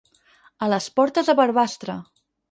A les portes de Barbastre.